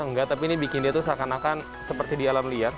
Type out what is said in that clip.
enggak tapi ini bikin dia tuh seakan akan seperti di alam liar